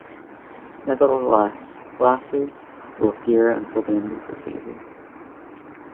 Nevertheless, glasses will appear until the end of the season.